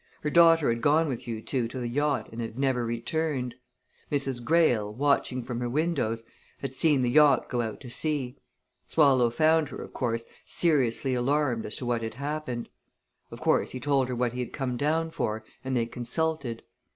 Her daughter had gone with you two to the yacht and had never returned; Mrs. Greyle, watching from her windows, had seen the yacht go out to sea. Swallow found her, of course, seriously alarmed as to what had happened. Of course, he told her what he had come down for and they consulted.